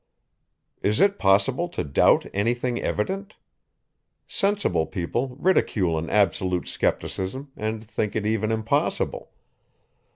Is it possible to doubt any thing evident? Sensible people ridicule an absolute scepticism, and think it even impossible.